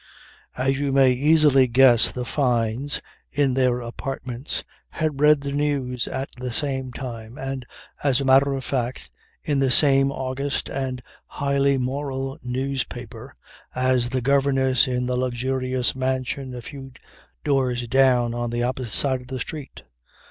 As you may easily guess the Fynes, in their apartments, had read the news at the same time, and, as a matter of fact, in the same august and highly moral newspaper, as the governess in the luxurious mansion a few doors down on the opposite side of the street.